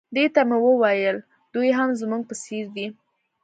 دې ته مې وویل دوی هم زموږ په څېر دي.